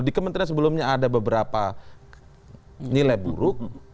di kementerian sebelumnya ada beberapa nilai buruk